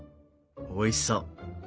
おいしそう。